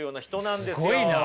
すごいな。